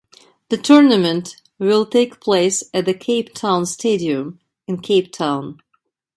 The tournament will take place at the Cape Town Stadium in Cape Town.